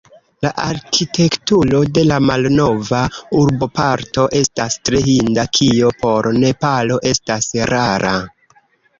La arkitekturo de la malnova urboparto estas tre hinda, kio por Nepalo estas rara.